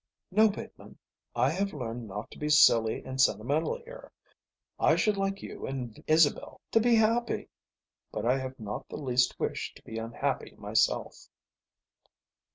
"No, Bateman, I have learnt not to be silly and sentimental here. I should like you and Isabel to be happy, but I have not the least wish to be unhappy myself."